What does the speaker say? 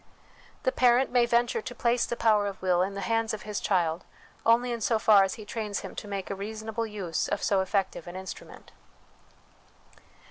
The parent may venture to place the power of will in the hands of his child only in so far as he trains him to make a reasonable use of so effective an instrument.